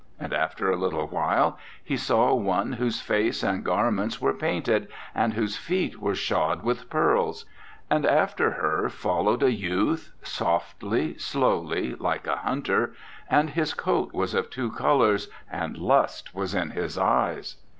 And after a little while he saw one whose face and garments were painted, and whose feet were shod with pearls. And after her followed a youth, softly, slowly, like a hunter, and his coat was of two colors and lust was in his eyes.